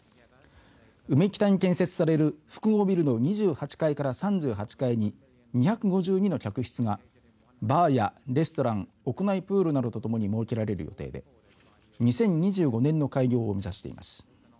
うめきたに建設される複合ビルの２８階から３８階に２５２の客室がバーやレストラン、屋内プールなどとともに設けられる予定で２０２５年の開業を目指しています。